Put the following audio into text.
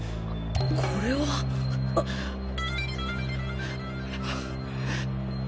これはあっ！